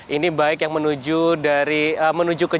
ini baik yang menuju ke jalan